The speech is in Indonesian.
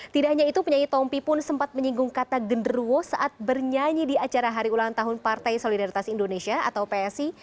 tidak hanya itu penyanyi tompi pun sempat menyinggung kata genderuwo saat bernyanyi di acara hari ulang tahun partai solidaritas indonesia atau psi